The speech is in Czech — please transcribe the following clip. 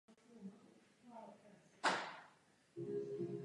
Tím je rekordmanem na přežití ve vysokých teplotách.